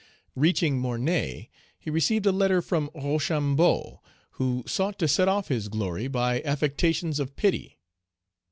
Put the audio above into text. Reaching Mornay, he received a letter from Rochambeau, who sought to set off his glory by affectations of pity.